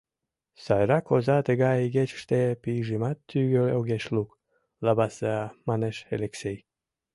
— Сайрак оза тыгай игечыште пийжымат тӱгӧ огеш лук, лаваса, — манеш Элексей.